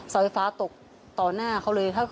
ไฟฟ้าตกต่อหน้าเขาเลย